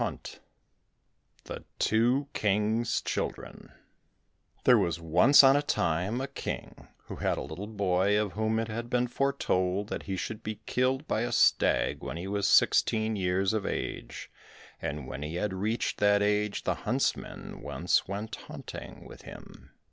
113 The Two Kings' Children There was once on a time a King who had a little boy of whom it had been foretold that he should be killed by a stag when he was sixteen years of age, and when he had reached that age the huntsmen once went hunting with him.